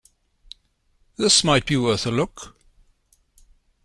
This might be worth a look.